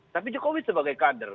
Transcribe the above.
tapi jokowi sebagai kader